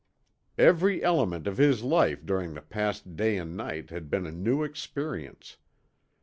Every element of his life during the past day and night had been a new experience.